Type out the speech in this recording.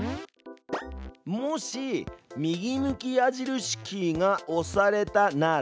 「もし右向き矢印キーが押されたなら」